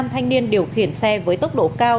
năm thanh niên điều khiển xe với tốc độ cao